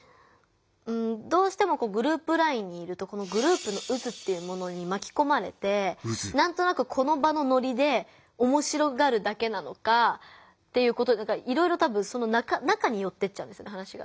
どうしてもグループＬＩＮＥにいるとグループの渦っていうものにまきこまれてなんとなくこの場のノリでおもしろがるだけなのかいろいろ多分その中によってっちゃうんです話が。